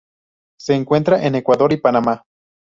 Se encuentra en Ecuador y Panamá.